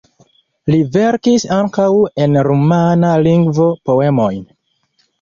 Li verkis ankaŭ en rumana lingvo poemojn.